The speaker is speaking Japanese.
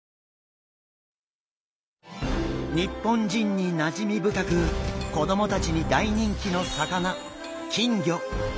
日本人になじみ深く子どもたちに大人気の魚金魚。